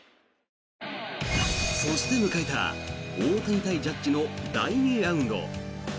そして迎えた大谷対ジャッジの第２ラウンド。